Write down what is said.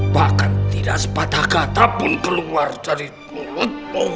bahkan tidak sepatah kata pun keluar dari mulut